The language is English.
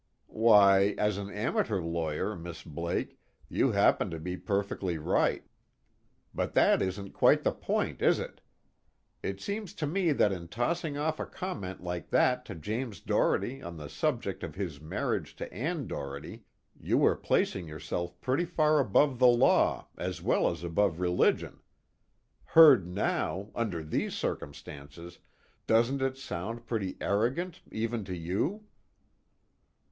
"Why, as an amateur lawyer, Miss Blake, you happen to be perfectly right. But that isn't quite the point, is it? It seems to me that in tossing off a comment like that to James Doherty on the subject of his marriage to Ann Doherty you were placing yourself pretty far above the law as well as above religion. Heard now, under these circumstances, doesn't it sound pretty arrogant even to you?"